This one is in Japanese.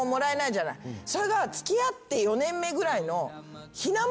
それが付き合って４年目ぐらいの。